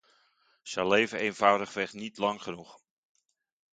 Zij leven eenvoudigweg niet lang genoeg.